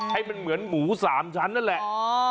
ให้มันเหมือนหมู๓ชั้นนั่นแหละ